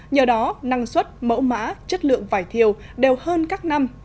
nhờ đó năng suất mẫu mã chất lượng vải thiều đều hơn các năm